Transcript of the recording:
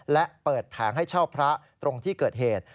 และเปิดแผงให้เช่าพระตรงที่เกิดเหตุ